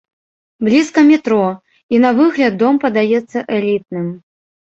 Блізка метро, і на выгляд дом падаецца элітным.